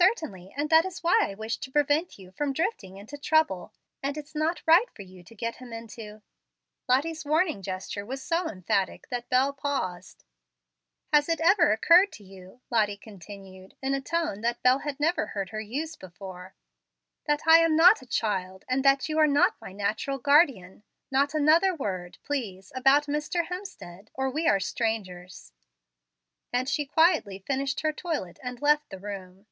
"Certainly; and that is why I wish to prevent you from drifting into trouble: and it's not right for you to get him into " Lottie's warning gesture was so emphatic that Bel paused. "Has it ever occurred to you," Lottie continued, in a tone that Bel had never heard her use before, "that I am not a child, and that you are not my natural guardian? Not another word, please, about Mr. Hemstead, or we are strangers;" and she quietly finished her toilet and left the room.